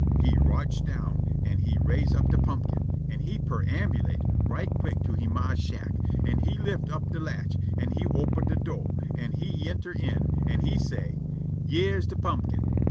He rotch' down, an' he raise' up de pumpkin, an' he perambulate' right quick to he ma's shack, an' he lift' up de latch, an' he open' de do', an' he yenter' in. An' he say': "Yere's de pumpkin."